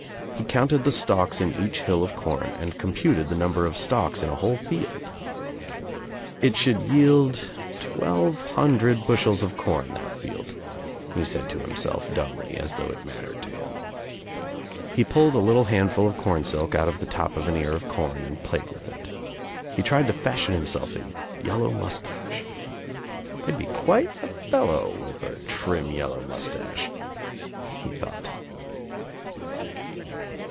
He counted the stalks in each hill of com and computed the num ber of stalks in a whole field. "It should yield twelve hundred bushels of corn, that field," he said to him self dumbly, as though it mattered to him. He pulled a little handful of cornsilk out of the top of an ear of com and played with it. He tried to fashion himself a yellow moustache. "I'd be quite a fellow with a trim yellow moustache," he thought.